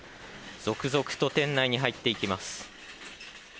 続々と店内に入っていきます。